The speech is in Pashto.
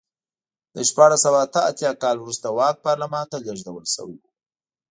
له شپاړس سوه اته اتیا کال وروسته واک پارلمان ته لېږدول شوی و.